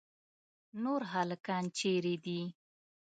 نور هلکان چیرې دي.